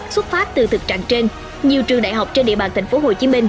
xuất phát từ thực trạng trên nhiều trường đại học trên địa bàn tp hcm